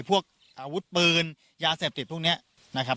พวกอาวุธปืนยาเสพติดพวกนี้นะครับ